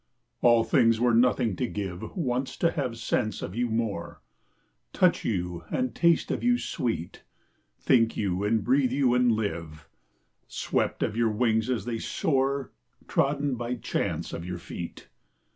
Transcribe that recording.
All things were nothing to give Once to have sense of you more, Touch you and taste of you sweet, Think you and breathe you and live, Swept of your wings as they soar, Trodden by chance of your feet.